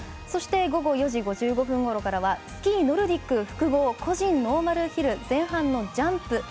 そして午後４時５５分ごろからはスキー・ノルディック複合個人ノーマルヒル前半のジャンプ。